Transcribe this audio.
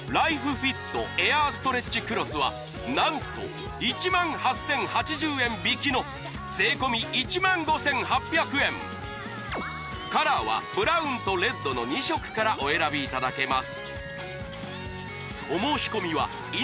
フィットエアーストレッチクロスは何と１８０８０円引きの税込１５８００円カラーはブラウンとレッドの２色からお選びいただけます